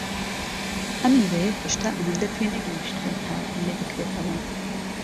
ئەم میوەیە هێشتا ئەوەندە پێنەگەیشتووە تا لێبکرێتەوە.